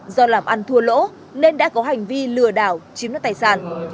do làm ăn thua lỗ nên đã có hành vi lừa đảo chiếm đất tài sản